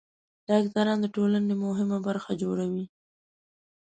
ډاکټران د ټولنې مهمه برخه جوړوي.